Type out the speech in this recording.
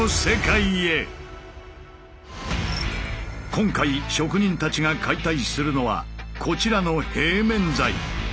今回職人たちが解体するのはこちらの平面材。